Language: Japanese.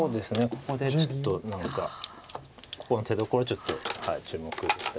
ここでちょっと何かここの手どころをちょっと注目したい。